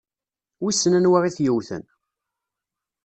Wissen anwa i t-yewwten?